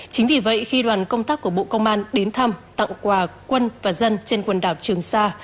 chính vì vậy khi đoàn công tác của bộ công an đến thăm tặng quà quân và dân trên quần đảo trường sa